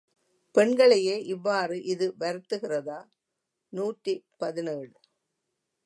பெண்களையே இவ்வாறு இது வருத்துகிறதா? நூற்றி பதினேழு.